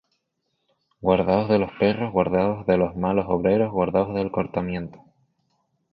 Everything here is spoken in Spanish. Guardaos de los perros, guardaos de los malos obreros, guardaos del cortamiento.